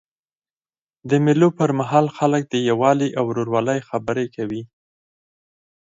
د مېلو پر مهال خلک د یووالي او ورورولۍ خبري کوي.